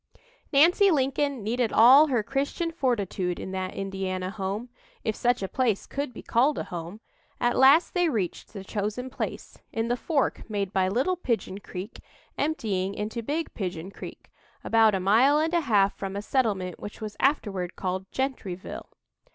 Nancy Lincoln needed all her Christian fortitude in that Indiana home if such a place could be called a home. At last they reached the chosen place, in the "fork" made by Little Pigeon Creek emptying into Big Pigeon Creek, about a mile and a half from a settlement which was afterward called Gentryville.